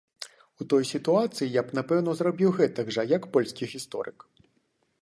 У той сітуацыі, я б напэўна зрабіў гэтак жа, як польскі гісторык.